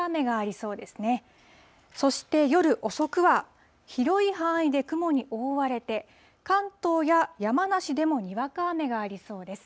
そして夜遅くは広い範囲で雲に覆われて、関東や山梨でもにわか雨がありそうです。